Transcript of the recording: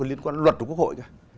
liên quan luật của quốc hội